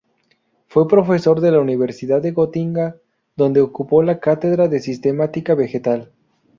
Fue profesor de la Universidad de Gotinga, donde ocupó la cátedra de Sistemática Vegetal.